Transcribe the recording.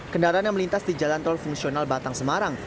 kendaraan yang melintas di jalan tol fungsional batang semarang